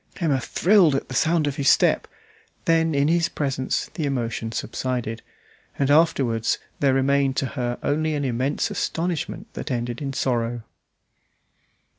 Emma thrilled at the sound of his step; then in his presence the emotion subsided, and afterwards there remained to her only an immense astonishment that ended in sorrow.